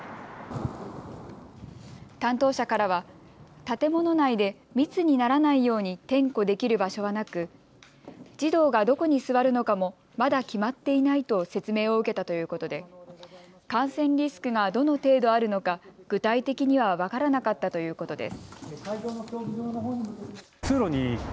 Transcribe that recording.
担当者からは建物内で密にならないように点呼できる場所はなく児童がどこに座るのかもまだ決まっていないと説明を受けたということで感染リスクがどの程度あるのか具体的には分からなかったということです。